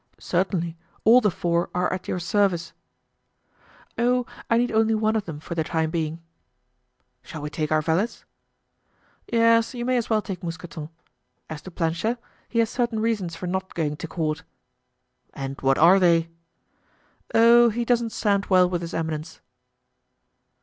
"Certainly; all the four are at your service." "Oh, I need only one of them for the time being." "Shall we take our valets?" "Yes, you may as well take Mousqueton. As to Planchet, he has certain reasons for not going to court." "And what are they?" "Oh, he doesn't stand well with his eminence."